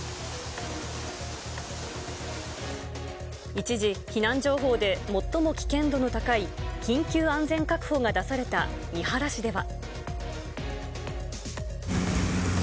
一時、避難情報で最も危険度の高い緊急安全確保が出された三原市では。